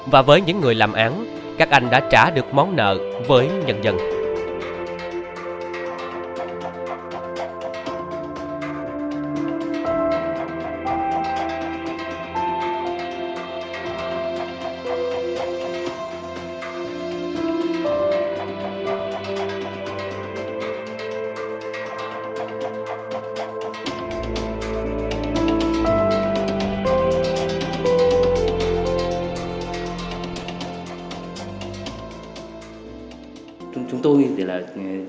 và với những người làm án các anh đã trả được món nợ với nhân dân